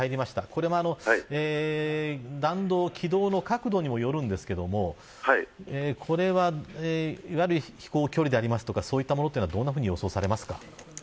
これは弾道、軌道の角度にもよるんですけどもこれは、いわゆる飛行距離でありますとか、そういったものはどんなふうに予想されますか。